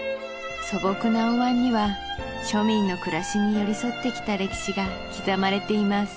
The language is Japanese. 素朴なおわんには庶民の暮らしに寄り添ってきた歴史が刻まれています